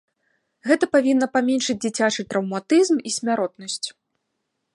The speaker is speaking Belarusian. Гэта павінна паменшыць дзіцячы траўматызм і смяротнасць.